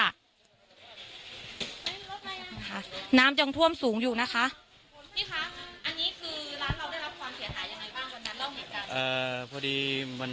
ค่ะน้ำยังท่วมสูงอยู่นะคะพี่คะอันนี้คือร้านเราได้รับความเสียหายยังไงบ้าง